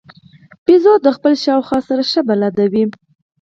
بیزو د خپل چاپېریال سره ښه بلد وي.